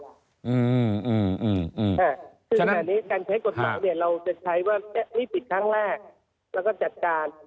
คือแบบนี้การใช้กฎหมายเราจะใช้ว่านี่ปิดครั้งแรกแล้วก็จัดการ